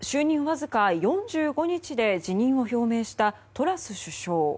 わずか４５日で辞任を表明したトラス首相。